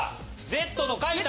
Ｚと書いた。